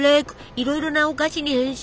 いろいろなお菓子に変身！